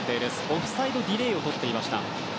オフサイドディレイをとっていました。